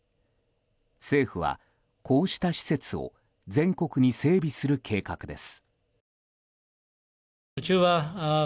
政府はこうした施設を全国に整備する計画です。